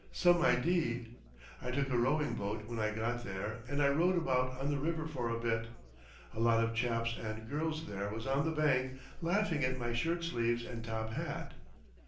Some idee. I took a rowing boat when I got there and I rowed about on the river for a bit. A lot of chaps and girls there was on the bank laughed at my shirt sleeves and top hat.